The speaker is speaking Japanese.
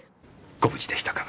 ご無事でしたか。